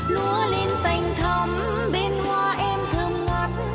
lúa lên xanh thấm bên hoa em thơm ngát